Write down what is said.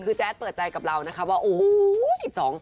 คือแจ๊ดเปิดใจกับเรานะคะว่าโอ้โห